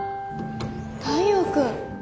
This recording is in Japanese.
太陽君。